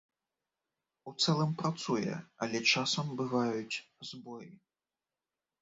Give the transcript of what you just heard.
У цэлым працуе, але часам бываюць збоі.